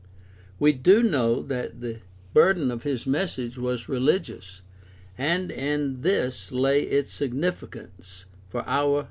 We do know that the burden of his message was religious, and in this lay its significance for our present study.